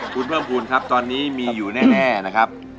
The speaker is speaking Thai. คุณเพิ่มภูมิครับตอนนี้มีอยู่แน่นะครับ